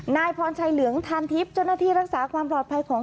นายพรชัยเหลืองทานทิพย์เจ้าหน้าที่รักษาความปลอดภัยของ